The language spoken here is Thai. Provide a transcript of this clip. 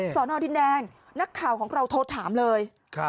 สอนอดินแดงนักข่าวของเราโทรถามเลย